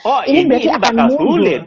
oh ini bakal sulit